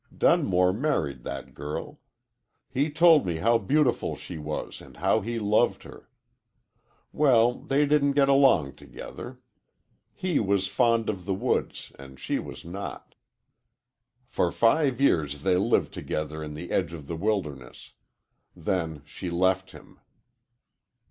Dunmore married that girl. He told me how beautiful she was and how he loved her. Well, they didn't get along together. He was fond of the woods and she was not. "For five years they lived together in the edge of the wilderness. Then she left him.